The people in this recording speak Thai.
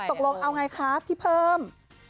ตกลงเอาไงคะพี่เพิ่ม